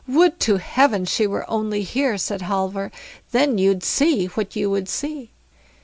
Would to Heaven she were only here", said Halvor, "then you'd see what you would see."